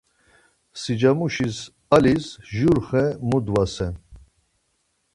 Sicamuşis alis jur xe mudvase